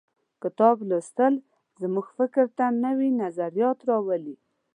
کتاب لوستل زموږ فکر ته نوي نظریات راولي.